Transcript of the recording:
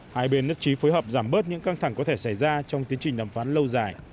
hai bên nhất trí phối hợp giảm bớt những căng thẳng có thể xảy ra trong tiến trình đàm phán lâu dài